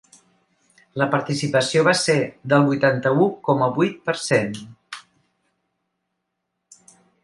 La participació va ser del vuitanta-u coma vuit per cent.